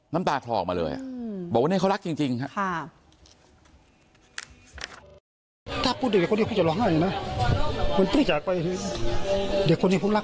น้ำตาคลอกมาเลยบอกว่าเนี่ยเขารักจริงครับ